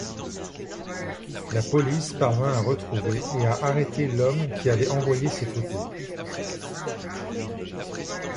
La police parvint à retrouver et à arrêter l'homme qui avait envoyé ces photos.